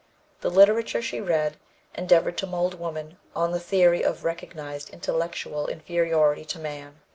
The literature she read "endeavored to mold woman on the theory of recognized intellectual inferiority to man.